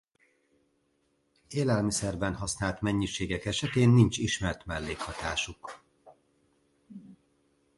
Élelmiszereben használt mennyiségek esetén nincs ismert mellékhatásuk.